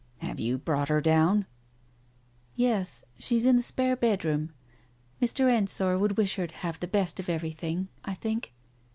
" Have you brought her down ?" "Yes, she's in the spare bedroom. Mr. Ensor would wish her to have the best of everything, ... I think?